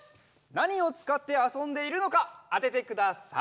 なにをつかってあそんでいるのかあててください。